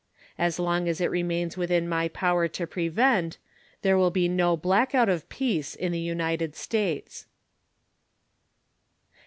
As long as it remains within my power to prevent, there will be no blackout of peace in the United States.